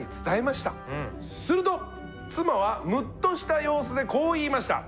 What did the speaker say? すると妻はムッとした様子でこう言いました。